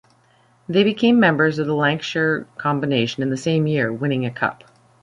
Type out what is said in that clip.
They became members of the Lancashire Combination in the same year, winning a cup.